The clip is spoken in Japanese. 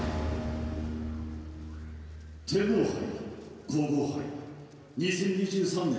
天皇杯・皇后杯２０２３年